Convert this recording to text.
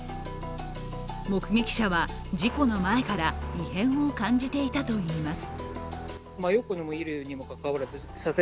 目撃者は事故の前から異変を感じていたといいます。